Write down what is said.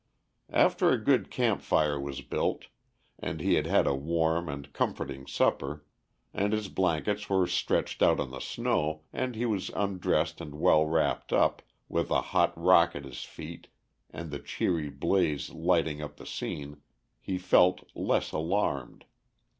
After a good camp fire was built, and he had had a warm and comforting supper, and his blankets were stretched out on the snow, and he was undressed and well wrapped up, with a hot rock at his feet and the cheery blaze lighting up the scene, he felt less alarmed.